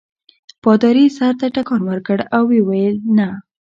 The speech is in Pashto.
پادري سر ته ټکان ورکړ او ویې ویل نه.